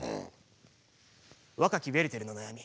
「若きウェルテルの悩み」。